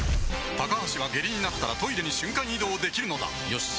高橋は下痢になったらトイレに瞬間移動できるのだよし。